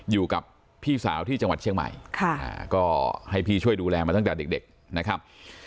อยู่กับพี่สาวที่จังหวัดเชียงใหม่ก็ให้พี่ช่วยดูแลมาตั้งแต่เด็กนะครับ